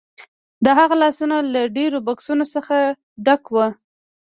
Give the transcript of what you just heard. د هغه لاسونه له ډیرو بکسونو څخه ډک وو